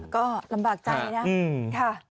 ก็ลำบากใจนะ